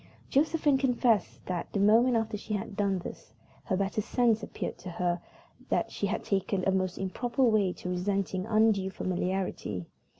Josephine confessed that, the moment after she had done this, her better sense appeared to tell her that she had taken a most improper way of resenting undue familiarity.